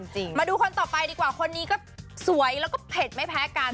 จริงมาดูคนต่อไปดีกว่าคนนี้ก็สวยพร้อมไม่แพ้กัน